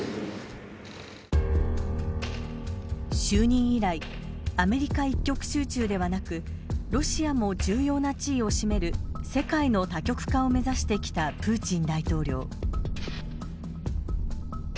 就任以来アメリカ一極集中ではなくロシアも重要な地位を占める世界の多極化を目指してきたプーチン大統領。